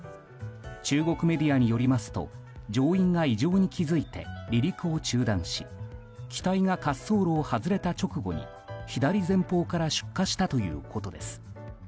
中国メディアによりますと乗員が異常に気付いて離陸を中断し機体が滑走路を外れた直後に左前方から出火したということです。